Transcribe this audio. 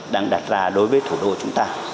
đang đặt ra đối với thủ đô chúng ta